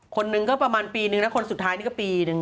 คนหนึ่งก็ประมาณปีนึงนะคนสุดท้ายนี่ก็ปีนึง